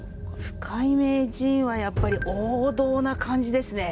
深井名人はやっぱり王道な感じですね。